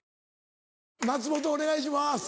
松本お願いします。